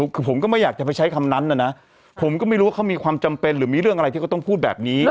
คือผมก็ไม่อยากจะไปใช้คำนั้นนะผมก็ไม่รู้ว่าเขามีความจำเป็นหรือมีเรื่องอะไรที่เขาต้องพูดแบบนี้